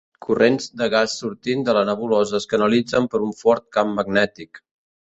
Corrents de gas sortint de la nebulosa es canalitzen per un fort camp magnètic.